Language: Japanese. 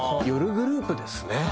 夜グループですね。